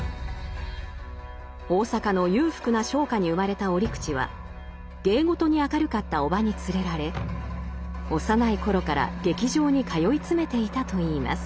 大阪の裕福な商家に生まれた折口は芸事に明るかった叔母に連れられ幼い頃から劇場に通い詰めていたといいます。